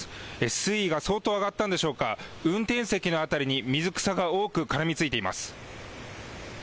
水位が相当上がったのでしょうか、運転席の辺りに水草が多く絡みついています。